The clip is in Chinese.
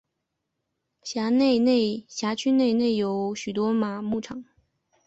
辖区内内有许多马牧场。